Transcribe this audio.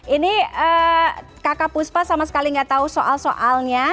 ini kakak puspa sama sekali nggak tahu soal soalnya